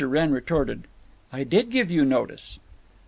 Wrenn retorted, "I did give you notice."